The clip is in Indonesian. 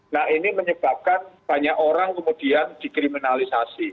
nah ini menyebabkan banyak orang kemudian dikriminalisasi